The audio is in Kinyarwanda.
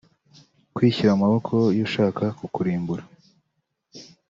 kwishyira mu maboko y’ushaka kukurimbura